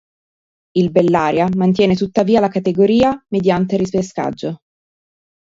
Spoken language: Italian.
Il Bellaria mantiene tuttavia la categoria mediante ripescaggio.